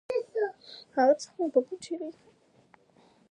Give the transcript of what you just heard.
د غاښ امینل تر ټولو سخته ماده ده.